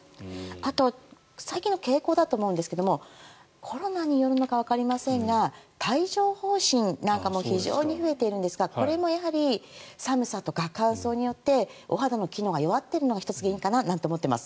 あと最近の傾向だと思うんですがコロナによるのかわかりませんが帯状疱疹なんかも非常に増えているんですがこれもやはり寒さとか乾燥によってお肌の機能が弱っているのが１つ原因かなと思っています。